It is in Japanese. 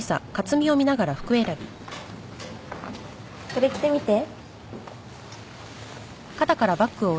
これ着てみて。